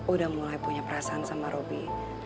udah mulai punya perasaan sama roby